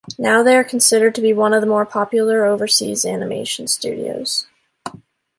Now they are considered to be one of the more popular overseas animation studios.